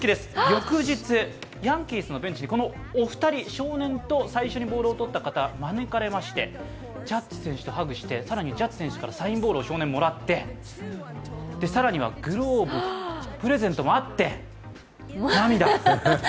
翌日、ヤンキースのベンチにこのお二人、少年と最初にボールを取った方が招かれましてジャッジ選手とハグして、更にジャッジ選手からサインボールをもらって、更にはグローブのプレゼントもあって涙。